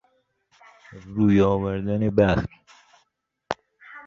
روی آوردن بخت